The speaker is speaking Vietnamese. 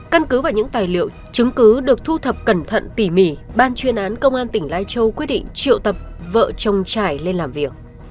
căn cứ vào những tài liệu chứng cứ được thu thập cẩn thận tỉ mỉ ban chuyên án công an tỉnh lai châu quyết định triệu tập vợ chồng trải lên làm việc